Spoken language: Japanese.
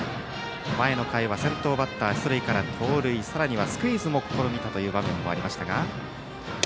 前の回は先頭バッター出塁から盗塁さらにはスクイズも試みたという場面もありました。